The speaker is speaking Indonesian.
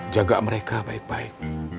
jaga mereka baik baik